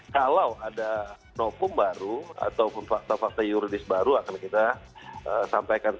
kalau ada novum baru ataupun fakta fakta yuridis baru akan kita sampaikan